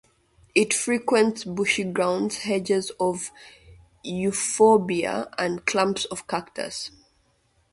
It frequents bushy ground, hedges of "Euphorbia" and clumps of Cactus.